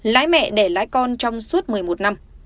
lãi mẹ để lãi con trong suốt một mươi một năm